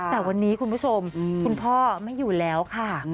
แต่วันนี้คุณผู้ชมคุณพ่อไม่อยู่แล้วค่ะ